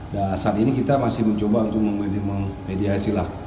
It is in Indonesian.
dan saat ini kita masih mencoba untuk memediasilah